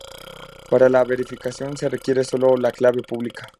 Para la verificación se requiere sólo la clave pública.